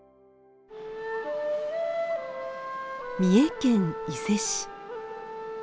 三重県伊勢市。